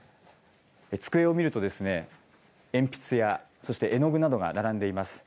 机を見るとですね、鉛筆やそして絵の具などが並んでいます。